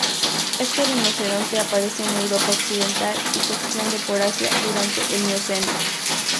Este rinoceronte aparece en Europa Occidental y se extiende por Asia durante el Mioceno.